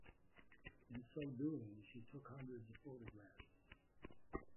In so doing she took hundreds of photographs.